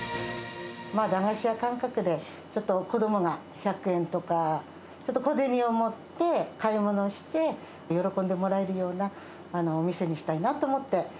駄菓子屋感覚でちょっと子どもが１００円とか、ちょっと小銭を持って買い物して、喜んでもらえるようなお店にしたいなと思って。